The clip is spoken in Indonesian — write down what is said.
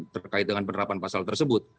terkait dengan penerapan pasal tersebut